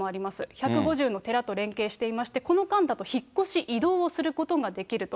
１５０の寺で連携していまして、この間だと引っ越し、移動をすることができると。